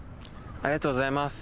ありがとうございます。